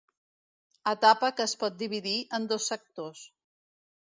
Etapa que es pot dividir en dos sectors.